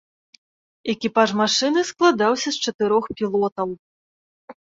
Экіпаж машыны складаўся з чатырох пілотаў.